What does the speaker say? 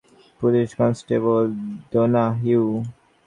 Police constable Donahue?